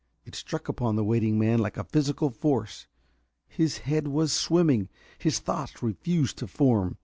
It struck upon the waiting man like a physical force. His head was swimming, his thoughts refused to form.